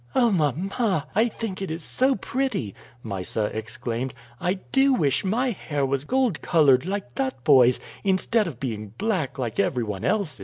"Oh, mamma, I think it so pretty," Mysa exclaimed. "I do wish my hair was gold colored like that boy's, instead of being black like everyone else's."